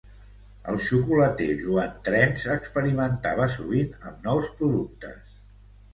El xocolater Joan Trens experimentava sovint amb nous productes.